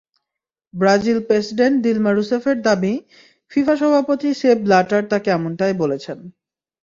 Brazil president Dilma রুসেফের দাবি, FIFA সভাপতি সেপ ব্ল্যাটার তাঁকে এমনটাই বলেছেন।